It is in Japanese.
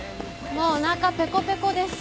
もうおなかペコペコです。